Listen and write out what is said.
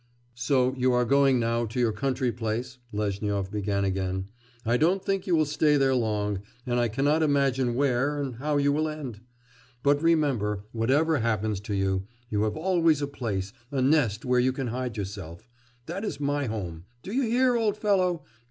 'So you are going now to your country place,' Lezhnyov began again. 'I don't think you will stay there long, and I cannot imagine where and how you will end.... But remember, whatever happens to you, you have always a place, a nest where you can hide yourself. That is my home, do you hear, old fellow?